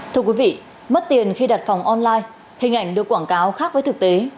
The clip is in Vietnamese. thưa quý vị mất tiền khi đặt phòng online hình ảnh được quảng cáo khác với thực tế